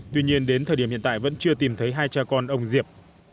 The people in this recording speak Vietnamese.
tuy nhiên đến thời điểm hiện tại vẫn chưa tìm thấy hai cha con ông diệp